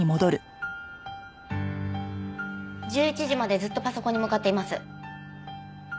１１時までずっとパソコンに向かっています。